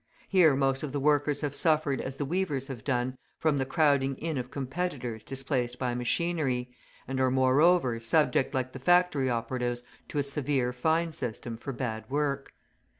Here most of the workers have suffered as the weavers have done from the crowding in of competitors displaced by machinery, and are, moreover, subject like the factory operatives to a severe fine system for bad work.